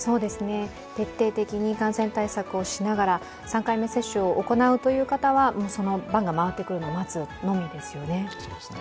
徹底的に感染対策をしながら、３回目接種を行うという方はその番が回ってくるのを待つのみですよね。